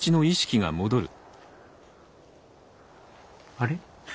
あれ？